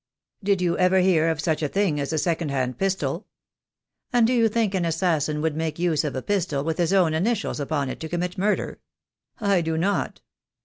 "Did you never hear of such a thing as a second hand pistol? And do you think an assassin would make use of a pistol with his own initials upon it to commit murder? I do not."